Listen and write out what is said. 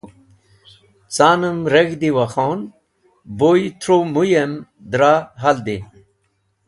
Ca’nem reg̃hdi wakhon, buy tru mũyem dra haldi.